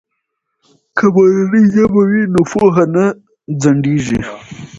که مورنۍ ژبه وي نو پوهه نه ځنډیږي.